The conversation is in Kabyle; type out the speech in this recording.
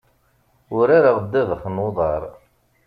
Urareɣ ddabex n uḍaṛ.